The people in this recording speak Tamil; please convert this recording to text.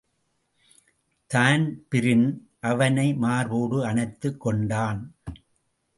தான்பிரீன் அவனை மார்போடு அனைத்துக் கொண்டான்.